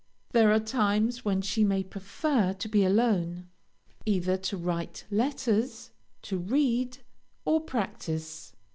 There are times when she may prefer to be alone, either to write letters, to read, or practice.